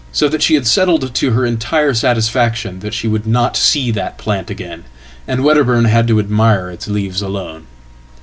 So that she had settled to herentire satisfaction that she would not see that plant again, andWedderburn had to admire its leaves alone.